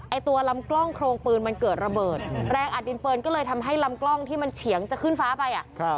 ตัวลำกล้องโครงปืนมันเกิดระเบิดแรงอัดดินปืนก็เลยทำให้ลำกล้องที่มันเฉียงจะขึ้นฟ้าไปอ่ะ